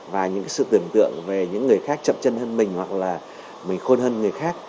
và những sự tưởng tượng về những người khác chậm chân hơn mình hoặc là mình khôn hơn người khác